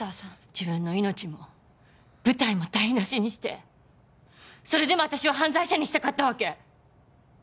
自分の命も舞台も台無しにしてそれでも私を犯罪者にしたかったわけ！？